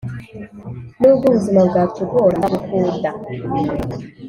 Nubwo ubuzima bwatugora nzagukuda